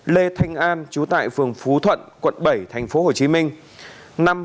bốn lê thanh an chú tại phường phú thuận quận bảy tp hồ chí minh